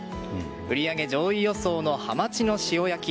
売り上げ上位予想のハマチの塩焼き